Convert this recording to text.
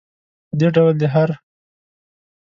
په دې ډول دی هر.